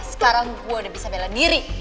sekarang gue udah bisa bela diri